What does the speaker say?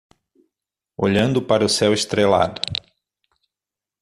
Olhando para o céu estrelado